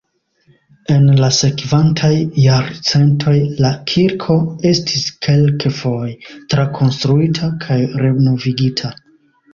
En la sekvantaj jarcentoj la kirko estis kelkfoje trakonstruita kaj renovigita.